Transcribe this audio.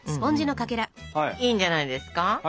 いいんじゃないですか？